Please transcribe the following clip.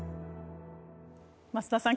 増田さん